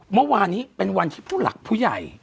เมื่อวานนี้เป็นวันที่ผู้หลักผู้ใหญ่